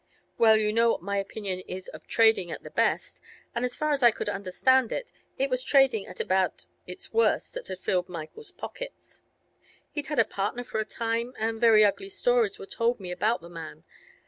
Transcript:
Well, you know what my opinion is of trading at the best, and as far as I could understand it, it was trading at about its worst that had filled Michael's pockets. He'd had a partner for a time, and very ugly stories were told me about the man.